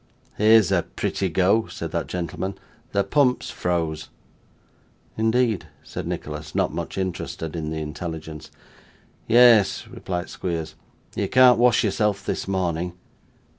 'Here's a pretty go,' said that gentleman; 'the pump's froze.' 'Indeed!' said Nicholas, not much interested in the intelligence. 'Yes,' replied Squeers. 'You can't wash yourself this morning.